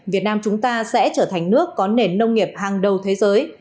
việt nam chúng ta sẽ trở thành nước có nền nông nghiệp hàng đầu thế giới